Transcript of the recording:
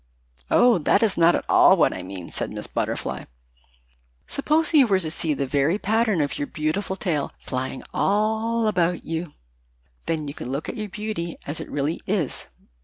"Oh, that is not at all what I mean," said Miss Butterfly. "Suppose you were to see the very pattern of your beautiful tail flying all about you. Then you could look at your beauty as it really is."